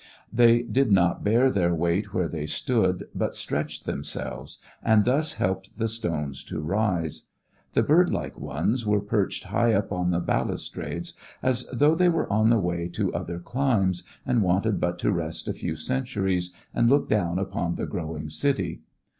They did not bear their weight where they stood, but stretched themselves and thus helped the stones to rise. The bird like ones were perched high up on the balustrades, as though they were on the way to other climes, and wanted but to rest a few centuries and look down upon the growing city.